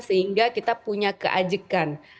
sehingga kita punya keajekan